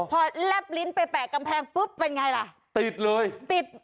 พอแลบลิ้นไปแปะกำแพงปุ๊บเป็นอย่างไรล่ะ